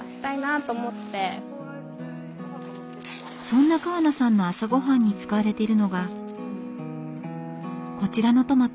そんな川名さんの朝ごはんに使われているのがこちらのトマト。